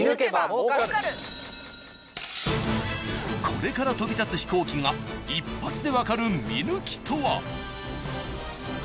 ［これから飛び立つ飛行機が一発で分かる見抜きとは］